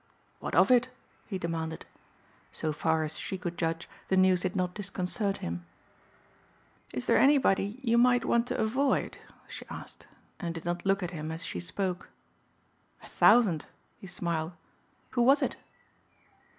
"What of it?" he demanded. So far as she could judge the news did not disconcert him. "Is there anybody you might want to avoid?" she asked, and did not look at him as she spoke. "A thousand," he smiled. "Who was it?"